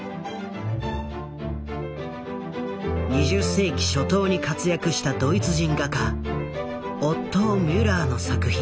２０世紀初頭に活躍したドイツ人画家オットー・ミュラーの作品。